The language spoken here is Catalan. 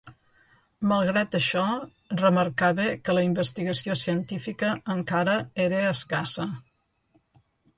Malgrat això, remarcava que la investigació científica encara era escassa.